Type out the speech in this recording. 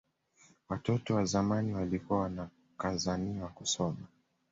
Watoto wa zamani walikuwa wanakazaniwa kusona